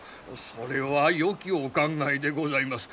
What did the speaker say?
それはよきお考えでございます。